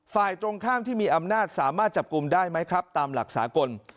ฝ่ายตรงข้ามที่มีอำนาจสามารถจับกลุ่มได้ไหมครับตามหลักสากล